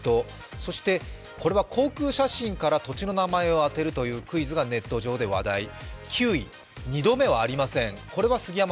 そしてこれは航空写真から土地の名前を当てるというクイズがネット上で話題、９位、二度目はありませんですが？